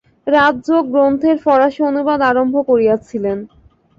রাজযোগ গ্রন্থের ফরাসী অনুবাদ আরম্ভ করিয়াছিলেন।